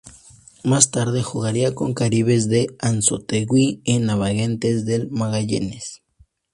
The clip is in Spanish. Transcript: Más tarde jugaría con Caribes de Anzoátegui y Navegantes del Magallanes.